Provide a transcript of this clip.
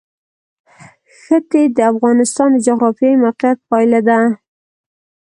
ښتې د افغانستان د جغرافیایي موقیعت پایله ده.